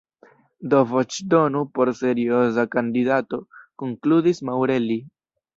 Do voĉdonu por serioza kandidato, konkludis Maurelli.